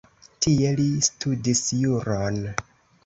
Tie li studis juron.